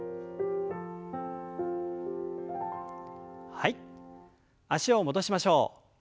はい脚を戻しましょう。